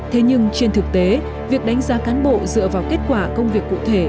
thế nhưng trên thực tế việc đánh giá cán bộ dựa vào kết quả công việc cụ thể